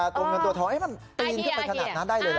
ตัวเงินตัวทองมันปีนขึ้นไปขนาดนั้นได้เลยเหรอ